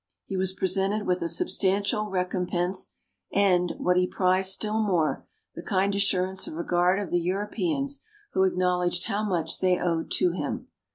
He was presented with a substantial recompense, and, what he prized still more, the kind assurances of regard of the Europeans, who acknowledged how much they owed to him.